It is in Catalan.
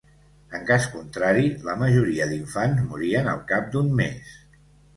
En cas contrari, la majoria d'infants morien al cap d’un mes.